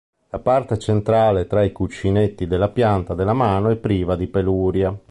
La parte centrale tra i cuscinetti della pianta della mano è priva di peluria.